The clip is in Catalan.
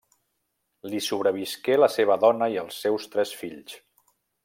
Li sobrevisqué la seva dona i els seus tres fills.